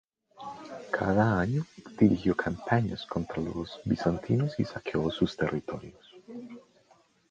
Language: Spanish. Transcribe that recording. Cada año dirigió campañas contra los bizantinos y saqueó sus territorios.